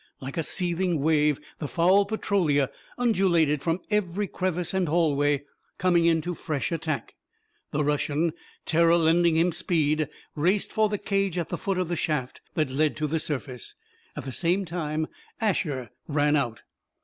Like a seething wave, the foul Petrolia undulated from every crevice and hallway, coming in to fresh attack. The Russian, terror lending him speed, raced for the cage at the foot of the shaft that led to the surface. At the same time Asher ran out.